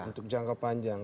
untuk jangka panjang